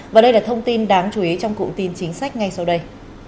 và đây là thông tin đáng chú ý trong cụm tin chính sách ngay sau đây